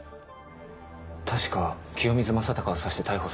確か清水将貴を刺して逮捕されて。